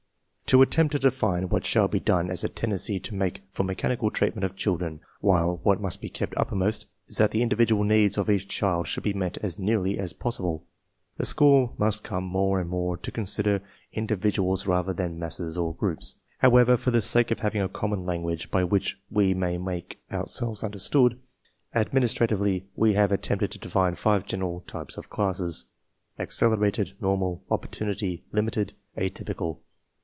To \ attempt to define what shall be done has a tendency to make for mechanical treatment of children, while what must be kept uppermost is that the individual needs of each cEUcT should be met as nearly as possible. The .school must come more and more to consider individu als rather than masses or groi^p^ However, for the sake of having a common language* by which we may make ourselves understood, administratively, we have at tempted to define five general types of classes — acceler ated, normal, opportunity, limited, atypical.